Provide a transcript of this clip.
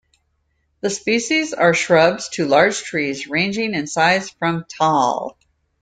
The species are shrubs to large trees ranging in size from tall.